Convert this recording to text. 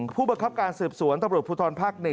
ผู้บังคับการสืบสวนตำรวจภูทรภาค๑